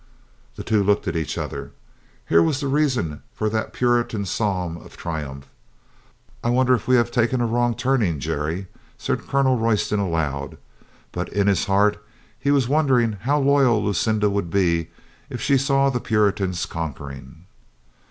The two looked at each other. Here was the reason of that Puritan psalm of triumph. "I wonder if we haVe taken a wrong turning, Jerry," said Colonel Royston aloud, but in his heart he was won dering how loyal Lucinda would be if she saw the Puritans conquering.